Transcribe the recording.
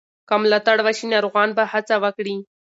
که ملاتړ وشي، ناروغان به هڅه وکړي.